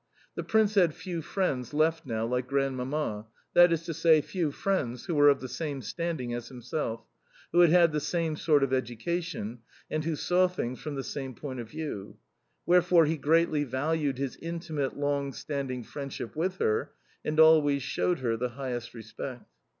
The Prince had few friends left now like Grandmamma that is to say, few friends who were of the same standing as himself, who had had the same sort of education, and who saw things from the same point of view: wherefore he greatly valued his intimate, long standing friendship with her, and always showed her the highest respect.